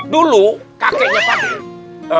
dulu kakeknya pakde